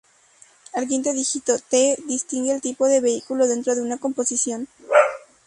El quinto dígito -t- distingue el tipo de vehículo dentro de una composición.